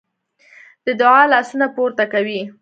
د دعا لاسونه پورته کوي.